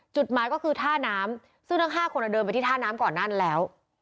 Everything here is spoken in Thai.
จุดหมายก็คือท่าน้ำซึ่งทั้ง๕คนเดินไปที่ท่าน้ำก่อนหน้านั้นแล้ว